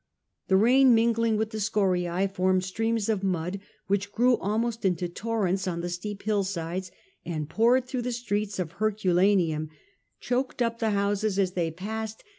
The rain, mingling with the scoriae, formed streams of mud, which grew almost into torrents on the steep hillsides, and poured through the streets of Herculaneum, choked up the houses as they passed, A.D.